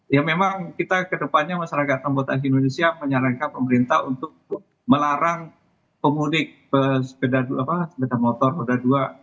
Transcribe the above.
ya memang kita kedepannya masyarakat anggota indonesia menyarankan pemerintah untuk melarang pemudik sepeda motor roda dua